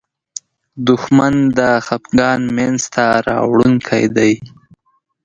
دښمن د خپګان مینځ ته راوړونکی دی